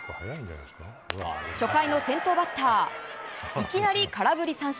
初回の先頭バッターいきなり空振り三振。